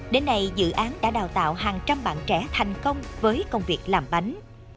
đến nay dự án đã đào tạo hàng trăm bạn trẻ thành công với công việc làm bánh